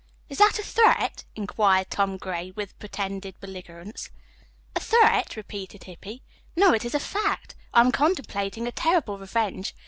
"Is that a threat?" inquired Tom Gray with pretended belligerence. "A threat?" repeated Hippy. "No, it is a fact. I am contemplating a terrible revenge.